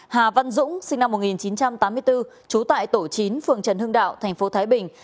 hà văn dũng sinh năm một nghìn chín trăm tám mươi bốn trú tại tổ chín phường trần hưng đạo tp thái bình